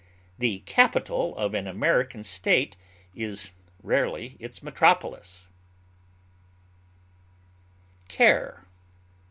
The capital of an American State is rarely its metropolis. CARE.